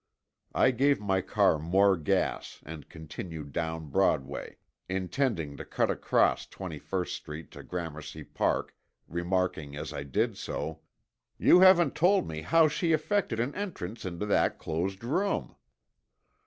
I gave my car more gas and continued down Broadway, intending to cut across Twenty first Street to Gramercy Park, remarking as I did so, "You haven't told me how she effected an entrance into that closed room."